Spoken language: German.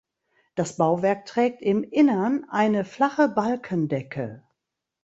Das Bauwerk trägt im Innern eine flache Balkendecke.